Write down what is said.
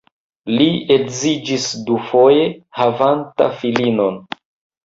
Li edziĝis dufoje, havanta filinon.